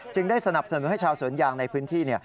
ได้สนับสนุนให้ชาวสวนยางในพื้นที่